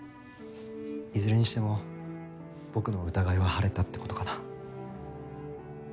いずれにしても僕の疑いは晴れたって事かな？